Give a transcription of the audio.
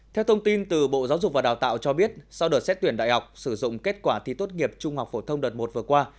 theo thông tin từ bộ giáo dục và đào tạo cho biết sau đợt xét tuyển đại học sử dụng kết quả thi tốt nghiệp trung học phổ thông đợt một vừa qua